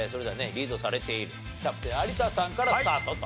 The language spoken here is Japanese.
リードされているキャプテン有田さんからスタートと。